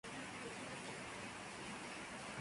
Fue grabada en Miami, Estados Unidos.